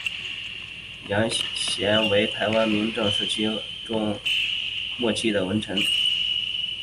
杨贤为台湾明郑时期中末期的文臣。